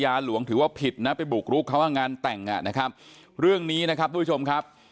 หลวงถือว่าผิดนะไปบุกรุกเขาว่างานแต่งอ่ะนะครับเรื่องนี้นะครับทุกผู้ชมครับ